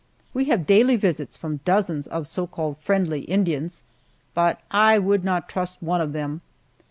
We have daily visits from dozens of so called friendly Indians, but I would not trust one of them.